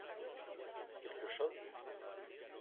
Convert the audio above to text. quelque chose.